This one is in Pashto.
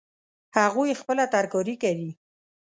هغوی خپله ترکاري کري